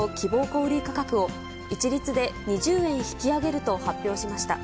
小売り価格を、一律で２０円引き上げると発表しました。